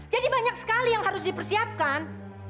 jadi banyak sekali yang harus dipersiapkan